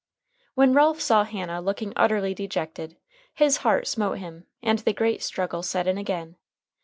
When Ralph saw Hannah looking utterly dejected, his heart smote him, and the great struggle set in again.